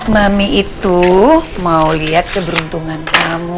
mami itu mau lihat keberuntungan kamu